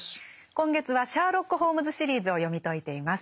今月は「シャーロック・ホームズ・シリーズ」を読み解いています。